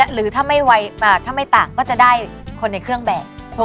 หรือถ้าไม่ต่างก็จะได้คนในเครื่องแบบ